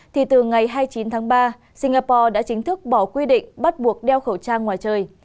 thì từ ngày hai mươi chín tháng ba singapore đã chính thức bỏ quy định bắt buộc đeo khẩu trang ngoài trời